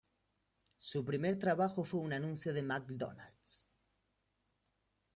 Su primer trabajo fue un anuncio de McDonald's.